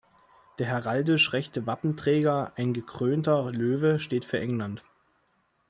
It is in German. Der heraldisch rechte Wappenträger, ein gekrönter Löwe, steht für England.